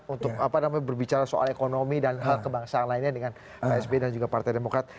untuk berbicara soal ekonomi dan hal kebangsaan lainnya dengan pak sby dan juga partai demokrat